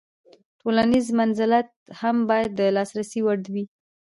تولنیز منزلت هم باید د لاسرسي وړ وي.